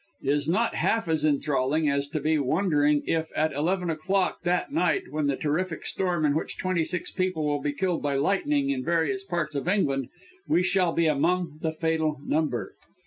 is not half as enthralling as to be wondering if, at eleven o'clock that night, when the terrific storm in which twenty six people will be killed by lightning in various parts of England, we shall be among the fatal number.